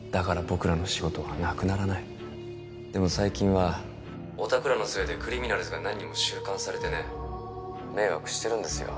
僕らの仕事はなくならないでも最近はおたくらのせいでクリミナルズが何人も収監されてね迷惑してるんですよ